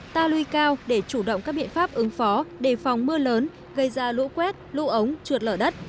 ta lưu cao để chủ động các biện pháp ứng phó đề phòng mưa lớn gây ra lũ quét lũ ống trượt lở đất